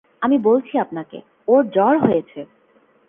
আমি বলছি আপনাকে, ওর জ্বর হয়েছে!